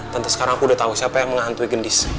tante sekarang aku udah tau siapa yang menghantui gendis